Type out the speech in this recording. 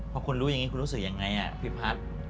พอคุณรู้อย่างนี้คุณรู้สึกยังไงพี่พัฒน์